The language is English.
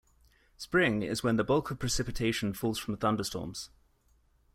Spring is when the bulk of precipitation falls from thunderstorms.